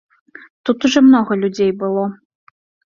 Тут ужо многа людзей было.